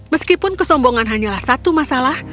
meskipun kesombongan hanyalah satu masalah